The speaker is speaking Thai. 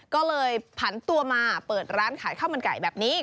ก็เลยผันตัวมาเปิดร้านขายข้าวมันไก่แบบนี้